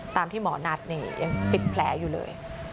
ตามที่หมอนัดนี่ยังปิดแผลอยู่เลย